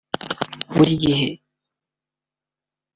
Buri gihe